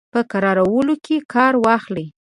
په کرارولو کې کار واخلي.